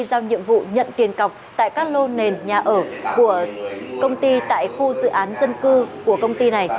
giao nhiệm vụ nhận tiền cọc tại các lô nền nhà ở của công ty tại khu dự án dân cư của công ty này